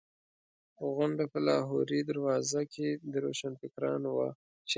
غونډه په لاهوري دروازه کې د روشنفکرانو وه.